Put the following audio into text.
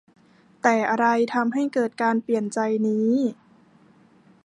แต่อะไรทำให้เกิดการเปลี่ยนใจนี้